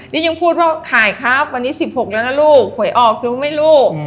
นี่ยังพูดว่าขายครับวันนี้๑๖แล้วนะลูกหวยออกรู้ไหมลูก